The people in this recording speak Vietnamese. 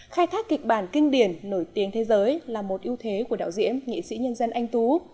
khai thác kịch bản kinh điển nổi tiếng thế giới là một ưu thế của đạo diễn nghị sĩ nhân dân anh tú